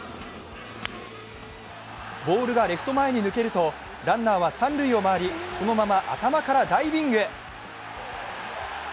ボールがレフト前に抜けるとランナーは三塁を回りそのまま頭からダイビング。